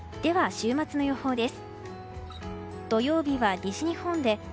週末の予報です。